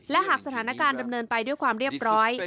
และหากสถานการณ์ดำเนินไปด้วยความเรียบร้อย